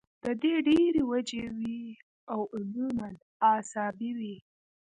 د دې ډېرې وجې وي او عموماً اعصابي وي